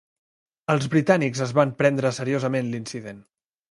Els britànics es van prendre seriosament l'incident.